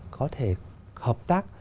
có thể hợp tác